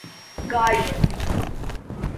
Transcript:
گاڑیوں